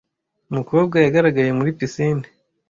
Umukobwa yagaragaye muri Pisine